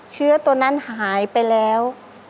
เชื้อตัวนั้นหายไปแล้ว